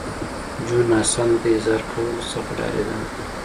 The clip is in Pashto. جون حسن ته د اظهار کولو څخه ډارېده